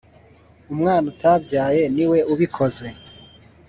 umwana utabyaye niwe ubikoze